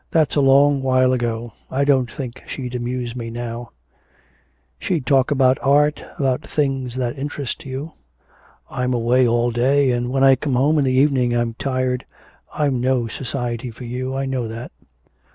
'That's a long while ago. I don't think she'd amuse me now.' 'She'd talk about art, about things that interest you. I'm away all day, and when I come home in the evening I'm tired. I'm no society for you, I know that.'